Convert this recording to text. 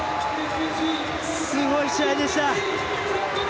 すごい試合でした！